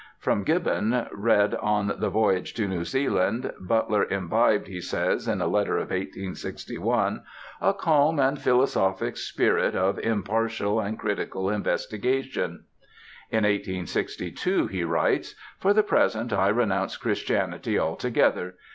From Gibbon, read on the voyage to New Zealand, Butler imbibed, he says, in a letter of 1861, "a calm and philosophic spirit of impartial and critical investigation." In 1862 he writes: "For the present I renounce Christianity altogether.